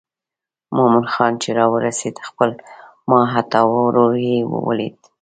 مومن خان چې راورسېد خپل ماجتي ورور یې ولید.